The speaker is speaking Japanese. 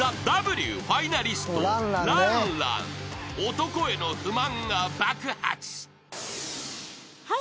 ［男への不満が爆発］